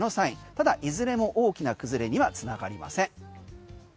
ただ、いずれも大きな崩れにはつながりません。